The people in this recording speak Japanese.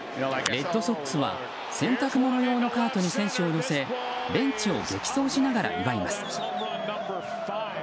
レッドソックスは洗濯物用のカートに選手を乗せベンチを激走しながら祝います。